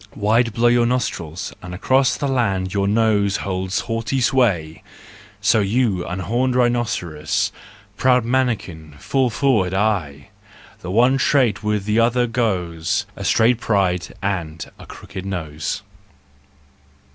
Wide blow your nostrils, and across The land your nose holds haughty sway : So you, unhorned rhinoceros, Proud mannikin, fall forward aye! The one trait with the other goes : A straight pride and a crooked nose.